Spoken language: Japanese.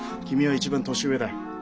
君は一番年上だ。